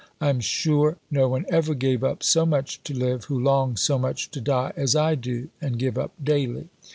I am sure no one ever gave up so much to live, who longed so much to die, as I do and give up daily.